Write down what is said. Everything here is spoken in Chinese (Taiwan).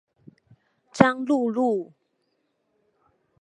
彰鹿路